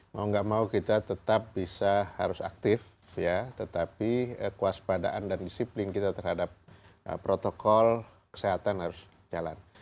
mau nggak mau kita tetap bisa harus aktif tetapi kuas padaan dan disiplin kita terhadap protokol kesehatan harus jalan